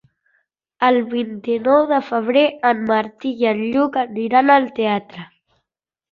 El vint-i-nou de febrer en Martí i en Lluc aniran al teatre.